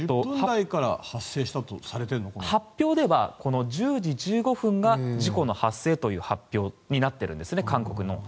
韓国の警察によりますと発表では１０時１５分が事故の発生という発表になっているんです。